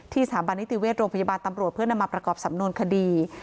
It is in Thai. สถาบันนิติเวชโรงพยาบาลตำรวจเพื่อนำมาประกอบสำนวนคดี